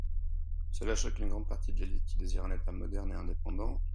Cela choque une grande partie de l'élite qui désire un état moderne et indépendant.